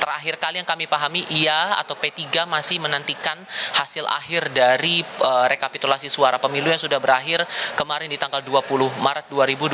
terakhir kali yang kami pahami ia atau p tiga masih menantikan hasil akhir dari rekapitulasi suara pemilu yang sudah berakhir kemarin di tanggal dua puluh maret dua ribu dua puluh